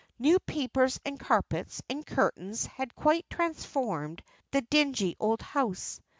New papers, and carpets, and curtains, had quite transformed the dingy old house.